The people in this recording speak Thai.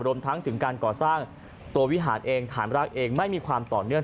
รวมทั้งถึงการก่อสร้างตัววิหารเองฐานรากเองไม่มีความต่อเนื่อง